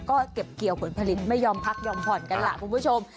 ก็เก็บเกี่ยวผลผลิตไม่ยอมพักยอมผ่อนกันล่ะคุณผู้ชม